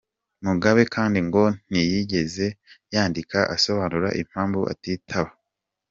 Mugabe kandi ngo ntiyigeze yandika asobanura impamvu atitaba.